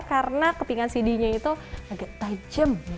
karena kepingan cd nya itu agak tajem